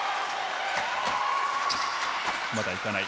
まだ行かない。